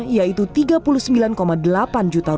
yaitu rp tiga puluh sembilan delapan juta